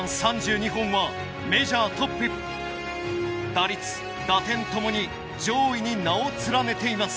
打率打点ともに上位に名を連ねています。